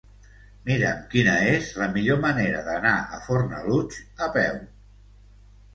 Mira'm quina és la millor manera d'anar a Fornalutx a peu.